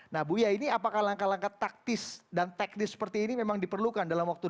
nah buya ini apakah langkah langkah taktis dan teknis seperti ini memang diperlukan dalam waktu dekat